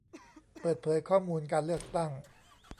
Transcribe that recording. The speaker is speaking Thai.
เปิดเผยข้อมูลการเลือกตั้ง